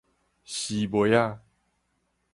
絲襪仔